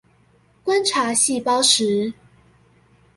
觀察細胞時